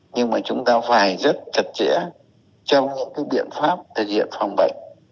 nhưng mà chúng ta phải rất chặt chẽ trong những cái biện pháp thực hiện phòng bệnh